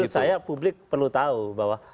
menurut saya publik perlu tahu bahwa